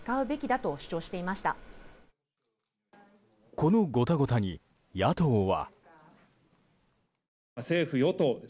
このごたごたに野党は。